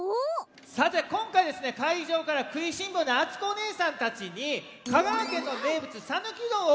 さてこんかいかいじょうからくいしんぼうなあつこおねえさんたちに香川県の名物さぬきうどんをおくったんですよ。